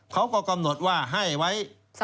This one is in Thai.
เขาก็กำหนดว่าให้ไว้